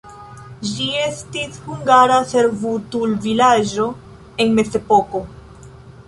Ĝi estis hungara servutulvilaĝo en mezepoko.